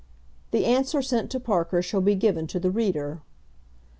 The answer sent to Parker shall be given to the reader.